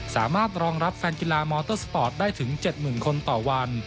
สามารถรองรับแฟนกีฬามอเตอร์สปอร์ตได้ถึง๗๐๐คนต่อวัน